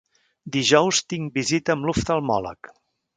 Dijous tinc visita amb l'oftalmòleg.